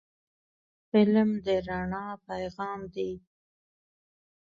فلم د رڼا پیغام دی